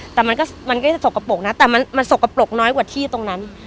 แต่มันก็จะสกปรกนะแต่มันสกปรกน้อยกว่าที่ตรงนั้น